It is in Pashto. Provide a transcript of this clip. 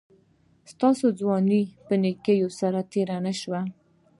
ایا ستاسو ځواني په نیکۍ تیره نه شوه؟